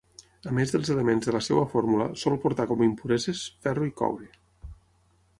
A més dels elements de la seva fórmula, sol portar com impureses: ferro i coure.